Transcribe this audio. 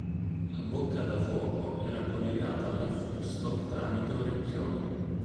La bocca da fuoco era collegata all'affusto tramite orecchioni.